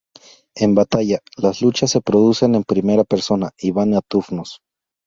En batalla, las luchas se producen en primera persona, y van a turnos.